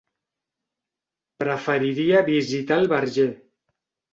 Preferiria visitar el Verger.